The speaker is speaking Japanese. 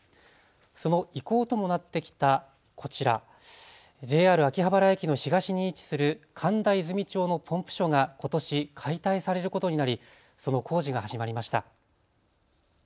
その遺構ともなってきたこちらＪＲ秋葉原駅の東に位置する神田和泉町のポンプ所がことし解体されることになりその工事が始まりました。